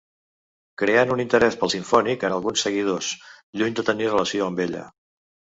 Creant un interès pel simfònic en alguns seguidors, lluny de tenir relació amb ella.